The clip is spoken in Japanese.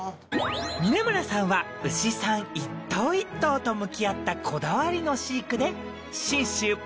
稱爾気鵑牛さん一頭一頭と向き合ったこだわりの飼育で廛譽潺